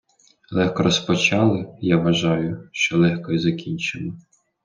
Легко розпочали, я вважаю, що легко і закінчимо.